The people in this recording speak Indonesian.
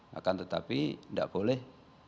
bahkan tetapi tidak boleh